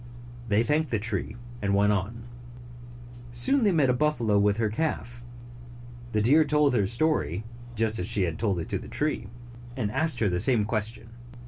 They thanked the tree, and went on. Soon they met a buffalo with her calf. The deer told her the story, just as she had told it to the tree, and asked her the same question.